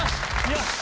よし！